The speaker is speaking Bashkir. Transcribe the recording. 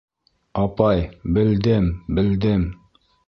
— Апай, белдем-белдем!